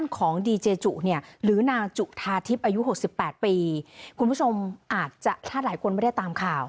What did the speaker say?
คุณผู้ชมอาจจะถ้าหลายคนไม่ได้ตามข่าว